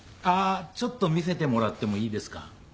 あっちょっと見せてもらってもいいですか？